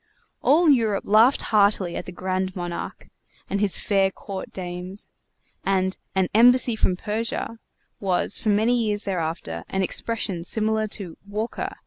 All Europe laughed heartily at the Grand Monarque and his fair court dames, and "An Embassy from Persia" was for many years thereafter an expression similar to "Walker!"